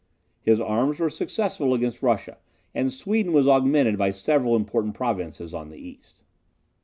His arms were successful against Russia, and Sweden was augmented by several important provinces on the east.